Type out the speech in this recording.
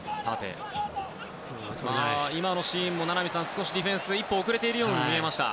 今のシーンも少しディフェンスが一歩遅れているように見えました。